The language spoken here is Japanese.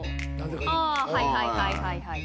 あぁはいはいはいはいはい。